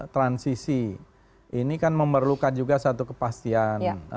transisi ini kan memerlukan juga satu kepastian